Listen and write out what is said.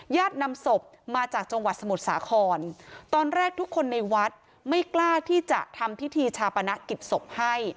นำศพมาจากจังหวัดสมุทรสาครตอนแรกทุกคนในวัดไม่กล้าที่จะทำพิธีชาปนกิจศพให้